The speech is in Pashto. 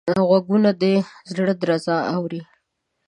غوږونه د زړه درزا اوري